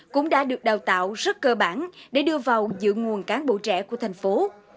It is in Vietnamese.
cũng đã được đào tạo rất cơ bản để đưa vào dự nguồn cán bộ trẻ của thành phố